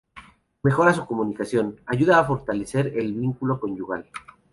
Mejora su comunicación, ayuda a fortalecer el vínculo conyugal.